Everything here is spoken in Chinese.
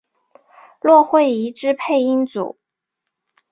骆慧怡之配音组。